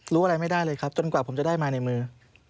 รู้อะไรไม่ได้เลยครับจนกว่าผมจะได้มาในมือ